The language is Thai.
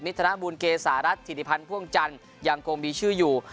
ธนบุญเกษารัฐธิริพันธ์พ่วงจันทร์ยังคงมีชื่ออยู่